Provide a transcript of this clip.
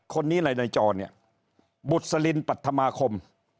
คนนี้ในจอเนี่ยบุษลินปัธมาคม